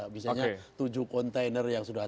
bisa bisa tujuh kontainer yang sudah